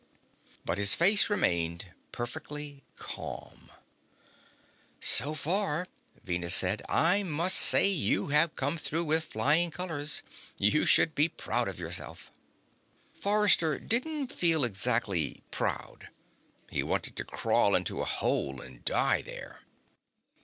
But his face remained perfectly calm. "So far," Venus said, "I must say that you have come through with flying colors. You should be proud of yourself." Forrester didn't feel exactly proud. He wanted to crawl into a hole and die there.